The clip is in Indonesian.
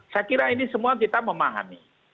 saya kira ini semua kita memahami